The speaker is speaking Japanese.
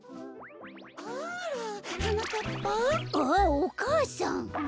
あっおかあさん。